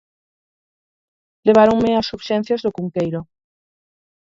Leváronme ás Urxencias do Cunqueiro.